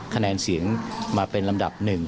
คะแนนเสียงมาเป็นลำดับ๑